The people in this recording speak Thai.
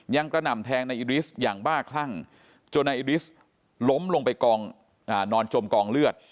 กระหน่ำแทงนายอิริสอย่างบ้าคลั่งจนนายอิริสล้มลงไปกองนอนจมกองเลือด